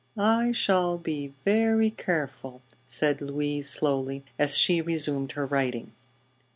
"I shall be very careful," said Louise slowly, as she resumed her writing.